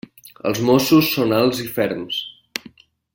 Els mossos són alts i ferms.